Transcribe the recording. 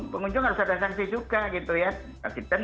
pengunjung harus ada sanksi juga gitu ya